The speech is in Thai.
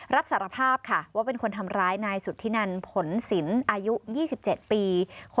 รับสารภาพค่ะว่าเป็นคนทำร้ายนายสุธินันผลสินอายุ๒๗ปี